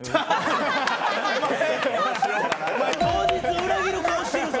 当日裏切る顔してるぞ！